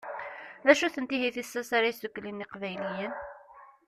D acu-tent ihi tissas ara yesdukklen Iqbayliyen?